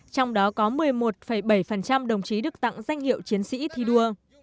trong đó có một mươi một bảy đồng chí được tặng danh hiệu chiến sĩ thi đua